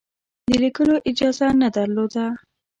د لیکلو اجازه نه درلوده.